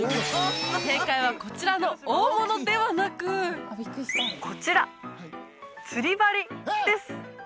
正解はこちらの大物ではなくこちら釣り針です